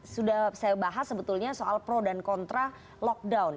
sudah saya bahas sebetulnya soal pro dan kontra lockdown